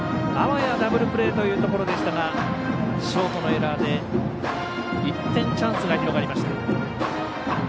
あわやダブルプレーというところでしたがショートのエラーで一転チャンスが広がりました。